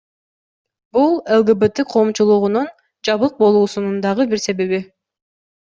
Бул ЛГБТ коомчулугунун жабык болуусунун дагы бир себеби.